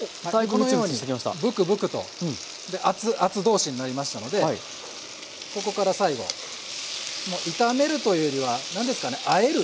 このようにブクブクと熱々同士になりましたのでここから最後もう炒めるというよりはなんですかねあえる。